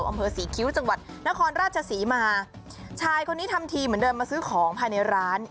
อำเภอศรีคิ้วจังหวัดนครราชศรีมาชายคนนี้ทำทีเหมือนเดินมาซื้อของภายในร้าน